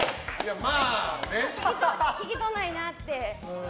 聞きとうないなって。